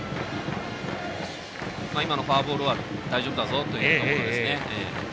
今のフォアボールは大丈夫だぞというところですね。